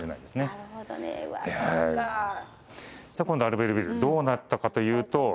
今度アルベールビルどうなったかというと。